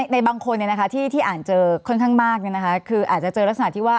ในบางคนที่อ่านเจอค่อนข้างมากคืออาจจะเจอลักษณะที่ว่า